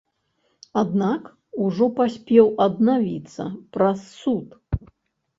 Аднак, ужо паспеў аднавіцца праз суд.